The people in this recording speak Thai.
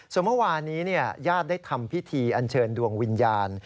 ส่วนเมื่อวานนี้ญาติได้ทำพิธีอันเชิญดวงวิญญาณ